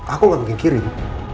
aku gak mungkin kirim